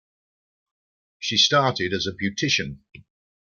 She started as a beautician.